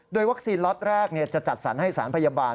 โดยวัคซีนล็อตแรกจะจัดสรรให้สารพยาบาล